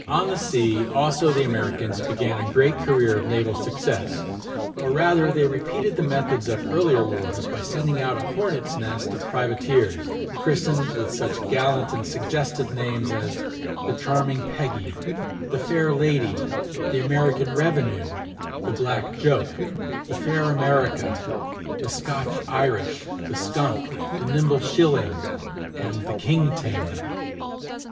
] On the sea also the Americans began a great career of naval success; or, rather, they repeated the methods of earlier wars by sending out a hornets' nest of privateers, christened with such gallant and suggestive names as The Charming Peggy, The Fair Lady, The American Revenue, The Black Joke, The Fair America, The Scotch Irish, The Skunk, The Nimble Shilling, and The King Tamer.